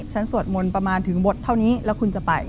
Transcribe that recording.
สวดมนต์ประมาณถึงบทเท่านี้แล้วคุณจะไป